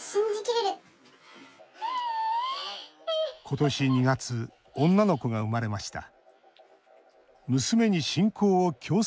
今年２月女の子が生まれました。